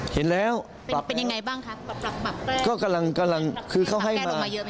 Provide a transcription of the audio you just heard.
เห็นแล้วเป็นเป็นยังไงบ้างคะก็กำลังกำลังคือเขาให้มาเยอะ